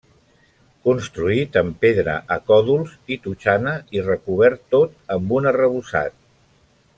Construït en pedra a còdols i totxana i recobert tot amb un arrebossat.